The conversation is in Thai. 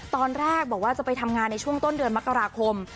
ตอนแรกบอกว่าจะไปทำงานในช่วงต้นเดือนมกราคม